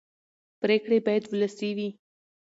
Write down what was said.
پرېکړې باید ولسي وي